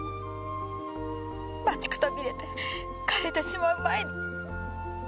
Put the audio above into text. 待ちくたびれて枯れてしまう前に。